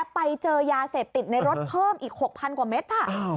ไปเจอยาเสพติดในรถเพิ่มอีก๖๐๐กว่าเมตร